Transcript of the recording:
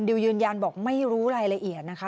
ยืนยันบอกไม่รู้รายละเอียดนะคะ